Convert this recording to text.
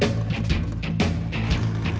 jadi kita harus mencari yang lebih baik